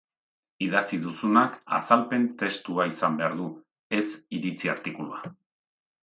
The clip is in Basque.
Idatzi duzunak azalpen testua izan behar du, ez iritzi artikulua.